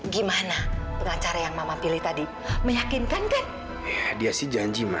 sampai jumpa di video selanjutnya